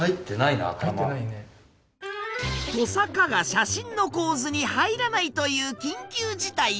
トサカが写真の構図に入らないという緊急事態に。